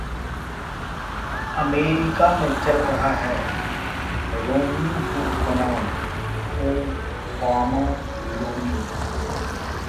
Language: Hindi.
अमेरिका में चल रहा है ‘रोमनीहुड’ बनाम ‘ओबामालोनी’